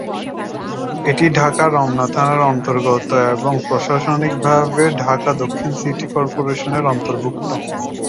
এটি ঢাকার রমনা থানার অন্তর্গত এবং প্রশাসনিকভাবে ঢাকা দক্ষিণ সিটি কর্পোরেশনের অন্তর্ভুক্ত।